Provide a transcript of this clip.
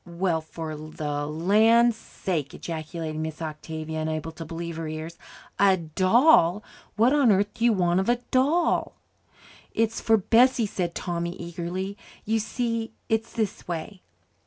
"Well, for the land's sake!" ejaculated Miss Octavia, unable to believe her ears. "A doll! What on earth do you want of a doll?" "It's for Bessie," said Tommy eagerly. "You see, it's this way."